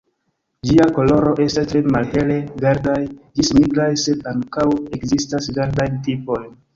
Ĝia koloro estas tre malhele verdaj ĝis nigraj, sed ankaŭ ekzistas verdajn tipojn.